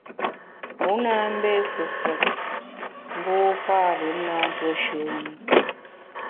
Wu na mbé fefùet, mbu parùm na ntuo shùm u.